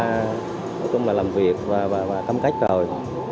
nói chung là làm việc và tâm cách rồi